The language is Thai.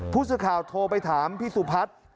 ผู้สื่อข่าวโทรไปถามพี่สุพัฒน์